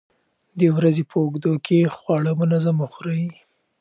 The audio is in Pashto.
د ورځې په اوږدو کې خواړه منظم وخورئ.